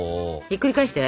ひっくり返して！